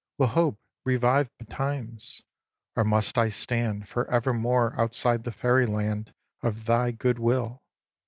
Will hope revive betimes? Or must I stand For evermore outside the fairyland Of thy good will?